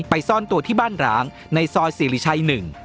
ไปซ่อนตัวที่บ้านหลางในซอยสิริชัยหนึ่ง